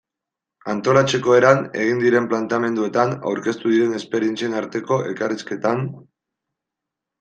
Antolatzeko eran, egin diren planteamenduetan, aurkeztu diren esperientzien arteko elkarrizketan...